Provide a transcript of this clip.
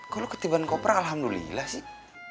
kok lo ketibaan koper alhamdulillah sih